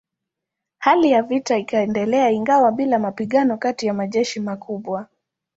Hali ya vita ikaendelea ingawa bila mapigano kati ya majeshi makubwa.